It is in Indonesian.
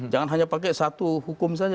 jangan hanya pakai satu hukum saja